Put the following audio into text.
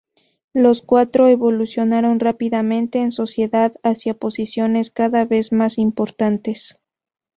Los cuatro evolucionaron rápidamente en sociedad hacia posiciones cada vez más importantes.